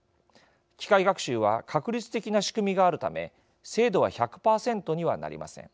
機械学習は確率的な仕組みがあるため精度は１００％にはなりません。